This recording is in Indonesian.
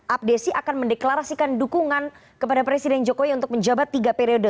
abdesi akan mendeklarasikan dukungan kepada presiden jokowi untuk menjabat tiga periode